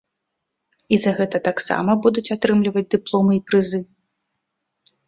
І за гэта таксама будуць атрымліваць дыпломы і прызы.